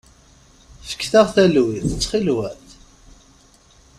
Fket-aɣ talwit, ttxilwet!